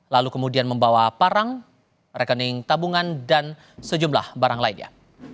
lalu kemudian membawa parang rekening tabungan dan sejumlah barang lainnya